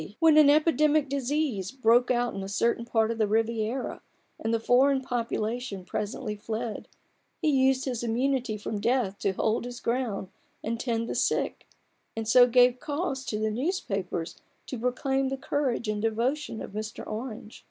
when an epidemic disease broke out in a certain part of the Riviera, and the foreign population presently fled, he used his immunity from death to hold his ground and tend the sick, THE BARGAIN OF RUPERT ORANGE. 43 and so gave cause to the newspapers to proclaim the courage and devotion of Mr. Orange.